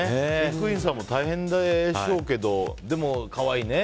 飼育員さんも大変でしょうけどでも可愛いね。